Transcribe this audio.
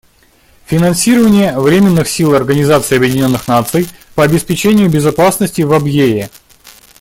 Финансирование Временных сил Организации Объединенных Наций по обеспечению безопасности в Абьее.